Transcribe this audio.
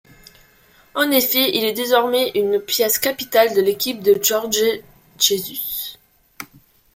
En effet, il est désormais une pièce capitale de l'équipe de Jorge Jesus.